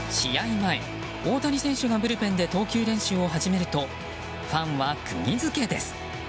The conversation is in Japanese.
前、大谷選手がブルペンで投球練習を始めるとファンは釘付けです。